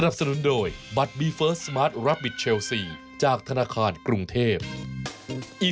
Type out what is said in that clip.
โปรดติดตามตอนต่อไป